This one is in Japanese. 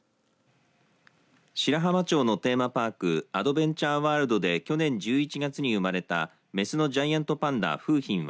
白浜町のテーマパークアドベンチャーワールドで去年１１月に生まれたメスのジャイアントパンダ楓浜は